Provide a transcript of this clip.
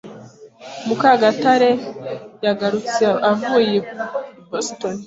Mukagatare yagarutse avuye i Boston.